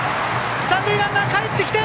三塁ランナー、かえってきた！